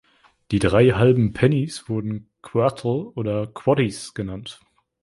Die drei halben Pennies wurden „Quartil“ oder „Quatties“ genannt.